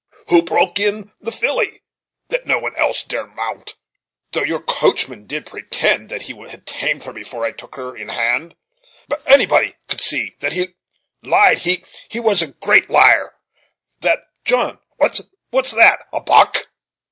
Who broke in the filly, that no one else dare mount, though your coachman did pretend that he had tamed her before I took her in hand; but anybody could see that he lied he was a great liar, that John what's that, a buck?"